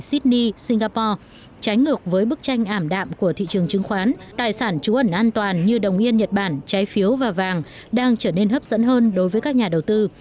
sydney singapore trái ngược với bức tranh ảm đạm của thị trường chứng khoán tài sản trú ẩn an toàn như đồng yên nhật bản trái phiếu và vàng đang trở nên hấp dẫn hơn đối với các nhà đầu tư